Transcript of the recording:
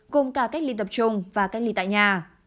cùng cả cách ly tập trung và cách ly tại nhà